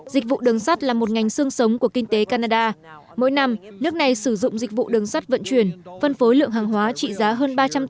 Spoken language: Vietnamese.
dịch vụ đường sắt là một ngành sương sống của kinh tế canada mỗi năm nước này sử dụng dịch vụ đường sắt vận chuyển phân phối lượng hàng hóa trị giá hơn ba trăm linh tỷ đô la canada đi khắp cả nước